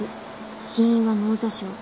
死因は脳挫傷。